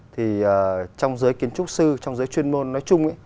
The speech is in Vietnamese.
thì trong giới kiến trúc sư trong giới chuyên môn nói chung